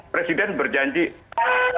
presiden berjanji untuk